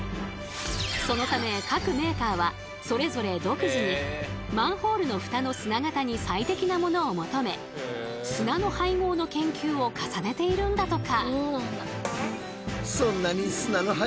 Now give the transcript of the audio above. そのため各メーカーはそれぞれ独自にマンホールのフタの砂型に最適なものを求め砂の配合の研究を重ねているんだとか。